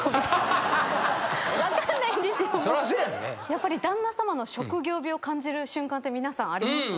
やっぱり旦那さまの職業病を感じる瞬間って皆さんあります？